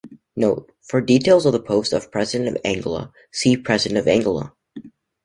"Note:" For details of the post of President of Angola, see President of Angola.